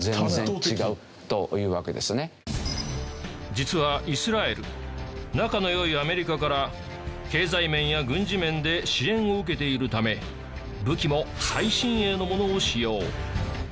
実はイスラエル仲の良いアメリカから経済面や軍事面で支援を受けているため武器も最新鋭のものを使用。